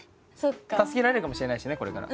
助けられるかもしれないしねこれから。